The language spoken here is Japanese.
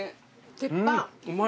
鉄板。